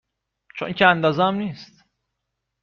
چونکه اندازه ام نیست